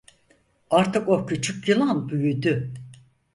Artık o küçük yılan büyüdü.